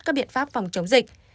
các biện pháp phòng chống dịch